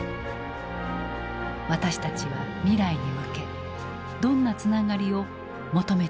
私たちは未来に向けどんなつながりを求めていくだろうか。